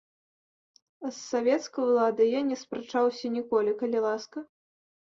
З савецкай уладай я не спрачаўся ніколі, калі ласка.